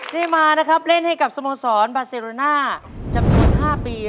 ที่มานะครับเล่นให้กับสโมสรบาเซโรน่าจำนวน๕ปี